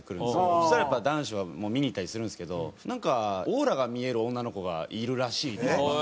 そしたらやっぱ男子は見に行ったりするんですけどなんかオーラが見える女の子がいるらしいとか噂がきて。